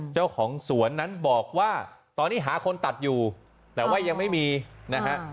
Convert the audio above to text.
เจ้าของสวนนั้นบอกว่าตอนนี้หาคนตัดอยู่แต่ว่ายังไม่มีนะฮะ